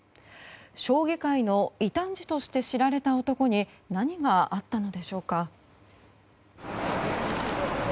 将棋界の異端児として知られた男に何があったのでしょうか。